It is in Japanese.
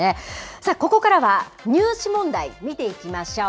さあ、ここからは入試問題、見ていきましょう。